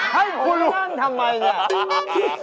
เฮ่ยคุณลุงทำไมนี่